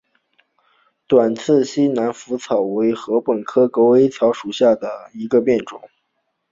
短刺西南莩草为禾本科狗尾草属下的一个变种。